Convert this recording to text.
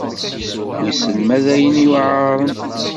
Wissen ma d ayen yuɛren.